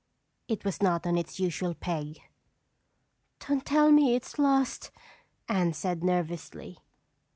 It was not on its usual peg. "Don't tell me it's lost," Anne said nervously.